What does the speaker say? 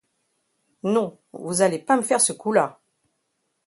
Non, vous allez pas me faire ce coup-là.